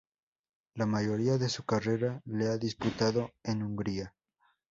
La mayoría de su carrera la ha disputado en Hungría.